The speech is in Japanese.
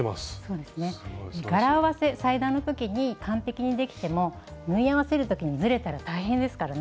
柄合わせ裁断のときに完璧にできても縫い合わせるときにずれたら大変ですからね。